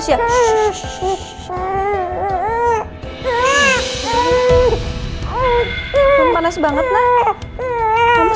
selamat ulang tahun ya rengan